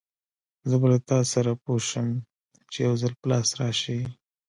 زه به له تاسره پوه شم، چې يوځل په لاس راشې!